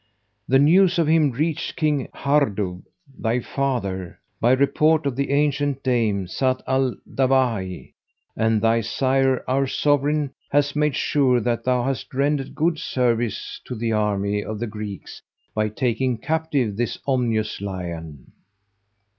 The news of him reached King Hardub, thy father, by report of the ancient dame Zat al Dawahi; and thy sire, our sovereign, hath made sure that thou hast rendered good service to the army of the Greeks by taking captive this ominous lion."